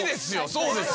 そうですよ。